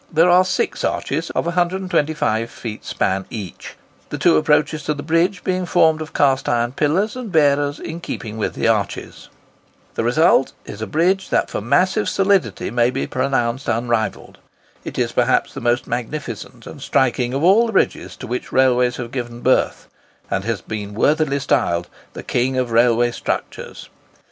There are six arches of 125 feet span each; the two approaches to the bridge being formed of cast iron pillars and bearers in keeping with the arches. [Picture: High Level Bridge—Elevation of one Arch] The result is a bridge that for massive solidity may be pronounced unrivalled. It is perhaps the most magnificent and striking of all the bridges to which railways have given birth, and has been worthily styled "the King of railway structures."